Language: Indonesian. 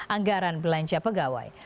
anggaran belanja pegawai